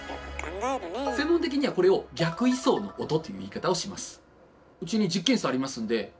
専門的にはこれを「逆位相の音」という言い方をします。